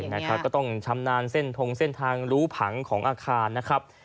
นะครับก็ต้องชำนาญเส้นทงเส้นทางรู้ผังของอาคารนะครับ